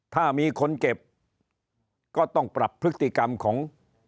ถ้ามีคนเจ็บก็ต้องปรับพฤติกรรมของ